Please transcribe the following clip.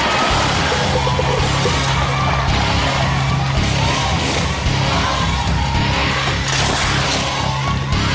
หมดเวลา